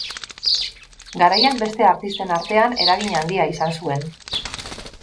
Garaian beste artisten artean eragin handia izan zuen.